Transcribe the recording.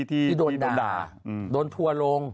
ที่โดนด่าโดนทัวร์ลง